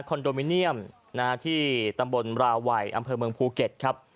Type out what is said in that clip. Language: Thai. โดมิเนียมที่ตำบลราวัยอำเภอเมืองภูเก็ตครับ